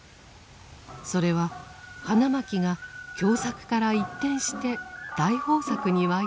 それは花巻が凶作から一転して大豊作に沸いた年となりました。